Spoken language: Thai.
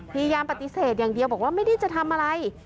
พยายามปฏิเสธอย่างเดียวบอกว่าไม่ได้จะทำอะไร